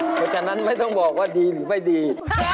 เพราะฉะนั้นไม่ต้องบอกว่าดีหรือไม่ดี